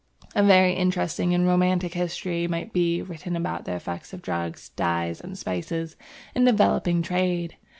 A very interesting and romantic history might be written about the effect of drugs, dyes, and spices in developing trade.